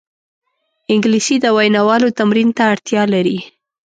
انګلیسي د ویناوالو تمرین ته اړتیا لري